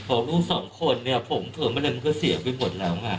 ออกลูกสองคนนี่พกเพิ่มอะไรเพียสิโพธิ์ไปหมดแล้ว